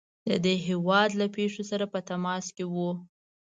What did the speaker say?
د دې هیواد له پیښو سره په تماس کې وو.